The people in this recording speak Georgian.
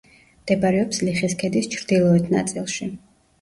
მდებარეობს ლიხის ქედის ჩრდილოეთ ნაწილში.